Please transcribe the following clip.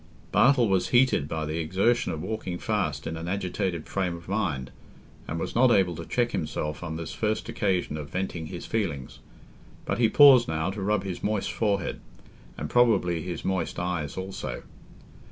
Bartle was heated by the exertion of walking fast in an agitated frame of mind, and was not able to check himself on this first occasion of venting his feelings. But he paused now to rub his moist forehead, and probably his moist eyes also.